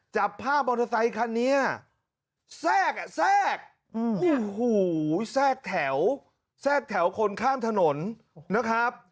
จับภาพมอเตอร์ไซคันนี้แทรกอ่ะแทรกแทรกแถวแทรกแถวคนข้ามถนนนะครับ